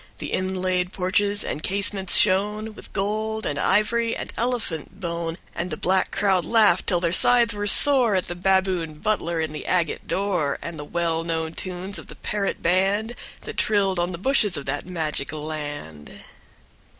The inlaid porches and casements shone With gold and ivory and elephant bone. And the black crowd laughed till their sides were sore At the baboon butler in the agate door, And the well known tunes of the parrot band That trilled on the bushes of that magic land.